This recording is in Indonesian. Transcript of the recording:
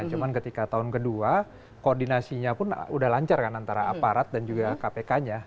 cuma ketika tahun kedua koordinasinya pun udah lancar kan antara aparat dan juga kpk nya